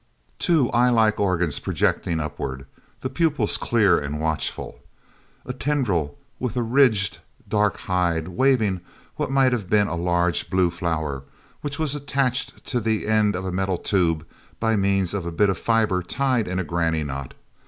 Two eyelike organs projecting upward, the pupils clear and watchful. A tendril with a ridged, dark hide, waving what might have been a large, blue flower, which was attached to the end of a metal tube by means of a bit of fibre tied in a granny knot.